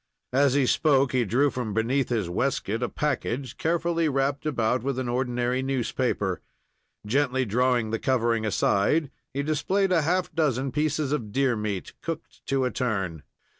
As he spoke, he drew from beneath his waistcoat a package, carefully wrapped about with an ordinary newspaper. Gently drawing the covering aside, he displayed a half dozen pieces of deer meat, cooked to a turn.